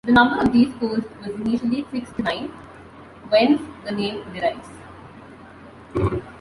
The number of these schools was initially fixed to nine, whence the name derives.